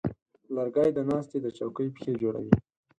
لرګی د ناستې د چوکۍ پښې جوړوي.